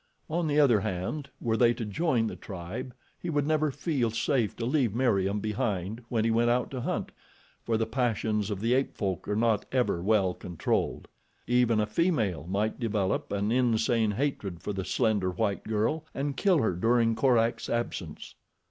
On the other hand were they to join the tribe he would never feel safe to leave Meriem behind when he went out to hunt, for the passions of the ape folk are not ever well controlled. Even a female might develop an insane hatred for the slender white girl and kill her during Korak's absence.